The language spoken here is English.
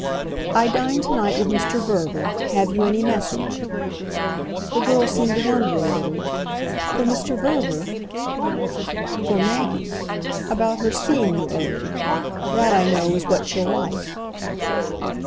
"I dine to night with Mr. Verver. Have you any message?" The girl seemed to wonder a little. "For Mr. Verver?" "For Maggie about her seeing you early. That, I know, is what she'll like."